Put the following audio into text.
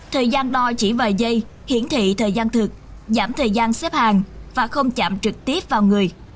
thời gian đo chỉ vài giây hiển thị thời gian thực giảm thời gian xếp hàng và không chạm trực tiếp vào người